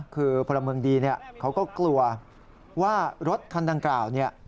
คือพลเมืองดีเขาก็กลัวว่ารถคันดังกล่าวเนี่ย